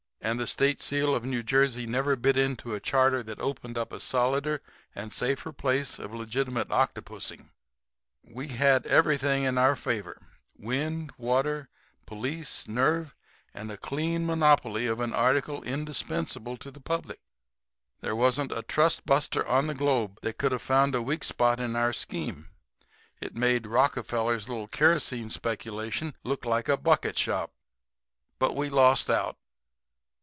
"And the state seal of New Jersey never bit into a charter that opened up a solider and safer piece of legitimate octopusing. We had everything in our favor wind, water, police, nerve, and a clean monopoly of an article indispensable to the public. There wasn't a trust buster on the globe that could have found a weak spot in our scheme. It made Rockefeller's little kerosene speculation look like a bucket shop. But we lost out."